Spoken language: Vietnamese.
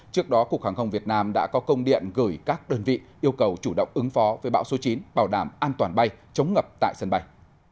trước đó cục hàng không việt nam đã có công điện gửi các đơn vị yêu cầu chủ động ứng phó với bão số chín bảo đảm an toàn bay chống ngập tại sân bay